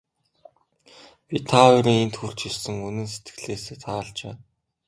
Би та хоёрын энд хүрч ирсэнд үнэн сэтгэлээсээ таалж байна.